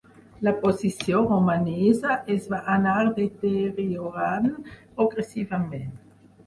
La posició romanesa es va anar deteriorant progressivament.